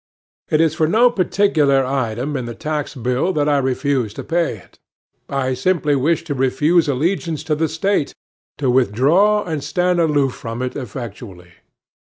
It is for no particular item in the tax bill that I refuse to pay it. I simply wish to refuse allegiance to the State, to withdraw and stand aloof from it effectually.